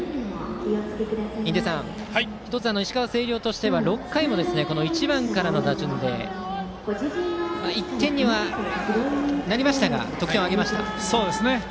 印出さん１つ石川・星稜としては６回の１番からの打順で１点にはなりましたが得点を挙げました。